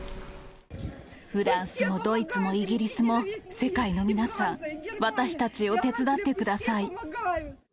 フランスもドイツもイギリスも、世界の皆さん、私たちを手伝ってください。